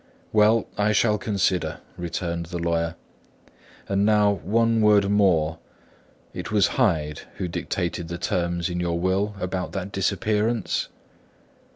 "Well, I shall consider," returned the lawyer. "And now one word more: it was Hyde who dictated the terms in your will about that disappearance?"